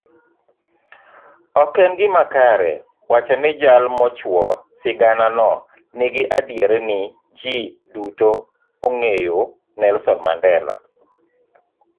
Ok en gima kare wacho nijal mochuo sigananonigi adierni ji dutoong'eyo Nelson Mandela.